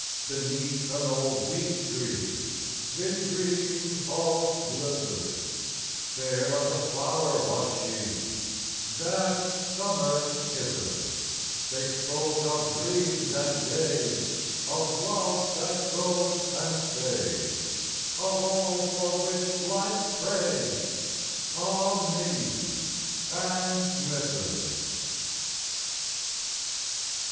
VI Beneath an old beech tree They dreamed of blisses; Fair as a flower was she That summer kisses: They spoke of dreams and days, Of love that goes and stays, Of all for which life prays, Ah me! and misses.